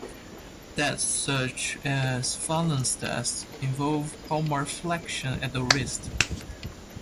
Tests such as Phalen's test involve palmarflexion at the wrist.